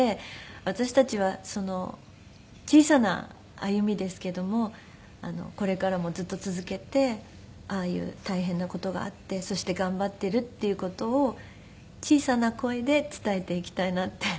私たちは小さな歩みですけどもこれからもずっと続けてああいう大変な事があってそして頑張っているっていう事を小さな声で伝えていきたいなって思っています。